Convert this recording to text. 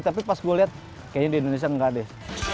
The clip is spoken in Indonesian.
tapi pas gue liat kayaknya di indonesia enggak deh